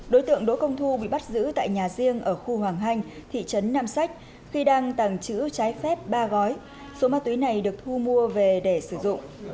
đối tượng đỗ công thu bị bắt giữ tại nhà riêng ở khu hoàng hanh thị trấn nam sách khi đang tàng trữ trái phép ba gói số ma túy này được thu mua về để sử dụng